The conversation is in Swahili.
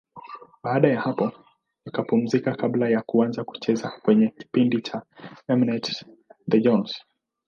Baada ya hapo nikapumzika kabla ya kuanza kucheza kwenye kipindi cha M-net, The Johnsons.